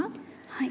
はい。